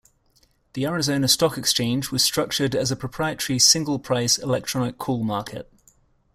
The Arizona Stock Exchange was structured as a proprietary "Single Price" electronic call market.